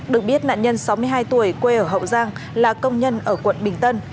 được biết nạn nhân sáu mươi hai tuổi quê ở hậu giang là công nhân ở quận bình tân